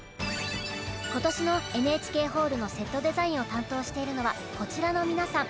今年のＮＨＫホールのセットデザインを担当しているのはこちらの皆さん。